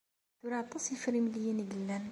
Tura aṭas ifremliyen i yellan.